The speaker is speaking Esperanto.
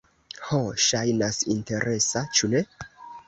Ho, ŝajnas interesa ĉu ne?